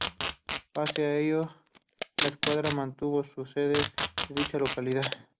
Pese a ello la escuadra mantuvo su sede en dicha localidad.